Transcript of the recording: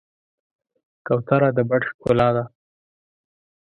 کوتره د بڼ ښکلا ده.